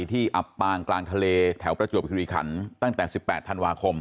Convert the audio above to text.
อับปางกลางทะเลแถวประจวบคิริขันตั้งแต่๑๘ธันวาคม